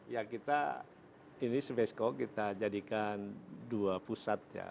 ya kita ini smesko kita jadikan dua pusat ya